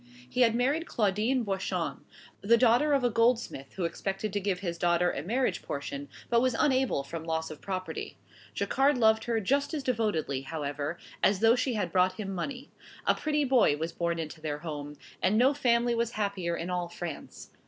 He had married Claudine Boichon, the daughter of a goldsmith who expected to give his daughter a marriage portion, but was unable from loss of property. Jacquard loved her just as devotedly, however, as though she had brought him money. A pretty boy was born into their home, and no family was happier in all France.